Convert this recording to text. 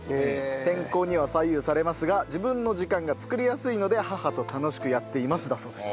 天候には左右されますが自分の時間が作りやすいので母と楽しくやっていますだそうです。